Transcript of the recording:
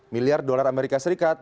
miliar dolar amerika serikat